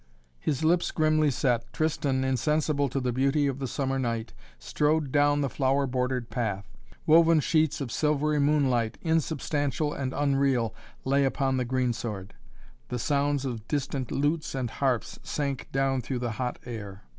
His lips grimly set, Tristan, insensible to the beauty of the summer night, strode down the flower bordered path. Woven sheets of silvery moonlight, insubstantial and unreal, lay upon the greensward. The sounds of distant lutes and harps sank down through the hot air.